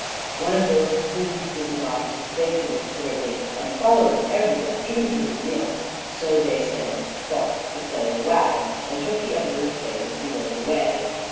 One of those plumed busybodies, who plagued him considerably and followed him everywhere, even to his meals, so they said, thought to play the wag, and took the Emperor's place as he rode away.